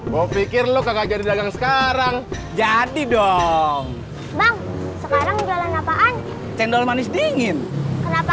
bobekir lu kagak jadi dagang sekarang jadi dong sekarang jualan apaan cendol manis dingin kenapa